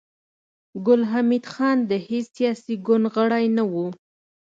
ګل حمید خان د هېڅ سياسي ګوند غړی نه و